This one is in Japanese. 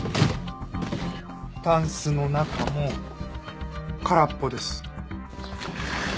たんすの中も空っぽです。